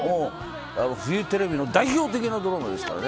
フジテレビの代表的なドラマですからね。